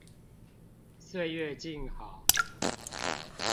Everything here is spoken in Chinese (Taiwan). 歲月靜好